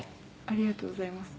ありがとうございます。